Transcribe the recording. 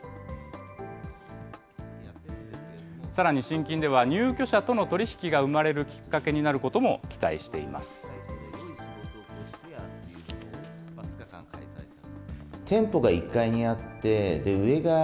さらに信金では、入居者との取り引きが生まれるきっかけになることも期待しています。